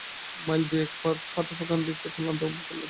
Mile দু-এক হাঁটার পর খানিকটা ক্লান্তি বোধ করলেন।